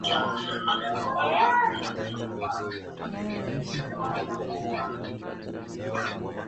wakiwa na tatizo kuna mjumbe mmoja ambao unatolewa